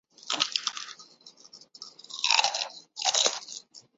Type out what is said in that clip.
سادہ بلاگنگ سے blogging podcasting میں تبدیل ہونا